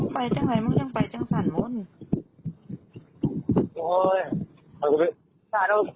เปลี่ยนมาเทียวดิวดิ